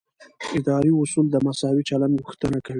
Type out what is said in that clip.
اداري اصول د مساوي چلند غوښتنه کوي.